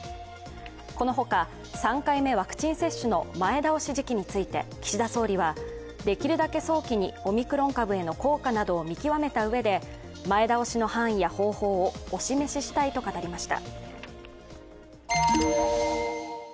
この他、３回目ワクチン接種の前倒し時期について岸田総理は、できるだけ早期にオミクロン株への効果などを見極めたうえで前倒しの範囲や方法をお示ししたいと語りました。